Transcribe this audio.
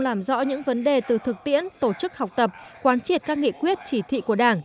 làm rõ những vấn đề từ thực tiễn tổ chức học tập quán triệt các nghị quyết chỉ thị của đảng